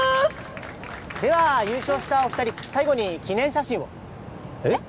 ・では優勝したお二人最後に記念写真をえっ？